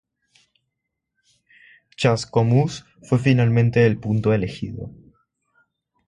Chascomús fue finalmente el punto elegido.